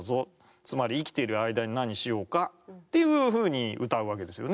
つまり生きている間に何をしようかっていうふうに詠うわけですよね。